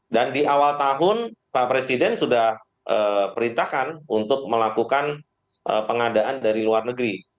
dan di awal tahun pak presiden sudah perintahkan untuk melakukan pengadaan dari luar negeri